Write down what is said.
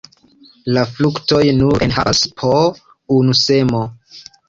La fruktoj nur enhavas po unu semo.